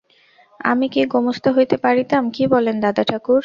আমি তো গোমস্তা হইতে পারিতাম, কী বলেন দাদাঠাকুর?